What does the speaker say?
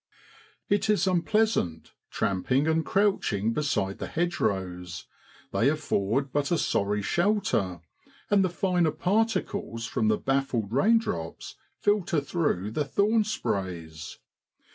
It is unpleasant tramping and crouching beside the hedgerows ; they afford but a sorry shelter, and the finer particles from the baffled raindrops filter through the thorn sprays.